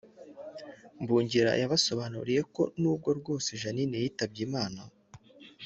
Mbungira yabasobanuriye ko nubwo bwose Jeanne yitabye Imana